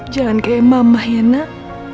jangan kayak mama yang nak